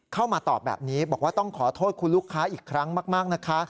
เข้ามาตอบแบบนี้บอกว่าต้องขอโทษคุณลูกค้าอีกครั้งมากนะคะ